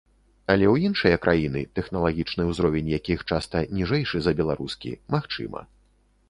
Але ў іншыя краіны, тэхналагічны ўзровень якіх часта ніжэйшы за беларускі, магчыма.